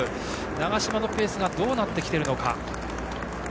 長嶋のペースがどうなってきているのか。